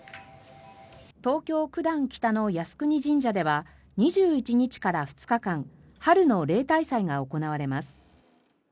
東京・九段北の靖国神社では２１日から２日間春の例大祭が行われます。